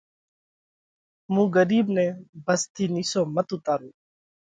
مُون ڳرِيٻ نئہ ڀس ٿِي نِيسو مت اُوتارو۔